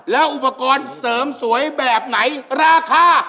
แล้วอุปกรณ์เสริมสวยแบบไหนราคา